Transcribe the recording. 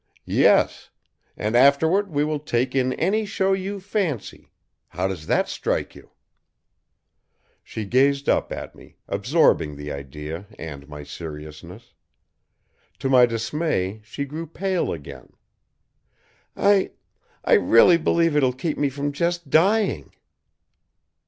"Yes. And afterward we will take in any show you fancy. How does that strike you?" She gazed up at me, absorbing the idea and my seriousness. To my dismay, she grew pale again. "I I really believe it will keep me from just dying."